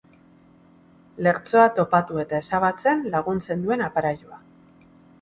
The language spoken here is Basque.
Lertzoa topatu eta ezabatzen laguntzen duen aparailua.